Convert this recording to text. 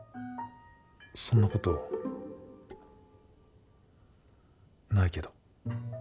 そんなことないけど。